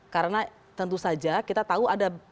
karena tentu saja kita tahu ada